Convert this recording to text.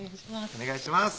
お願いします